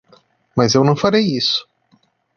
Mas eu não farei isso.